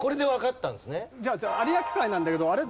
有明海なんだけどあれ？